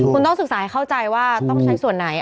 คุณต้องศึกษาให้เข้าใจว่าต้องใช้ส่วนไหน